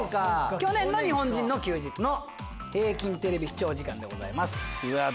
去年の日本人の休日の平均テレビ視聴時間でございます。